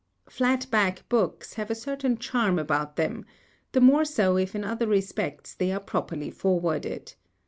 Flat back books have a certain charm about them, the more so if in other respects they are properly forwarded.